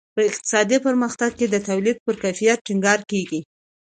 په اقتصادي پرمختګ کې د تولید پر کیفیت ټینګار کیږي.